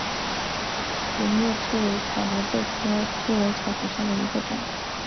圆叶兔尾草为豆科兔尾草属下的一个种。